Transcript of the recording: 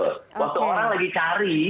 waktu orang lagi cari